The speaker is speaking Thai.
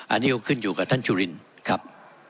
อันนี้ก็ขึ้นอยู่กับท่านจุลินครับ